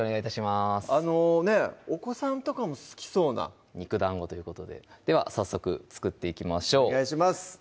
あのねぇお子さんとかも好きそうな「肉団子」ということででは早速作っていきましょうお願いします